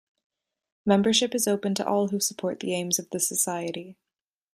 Membership is open to all who support the aims of the society.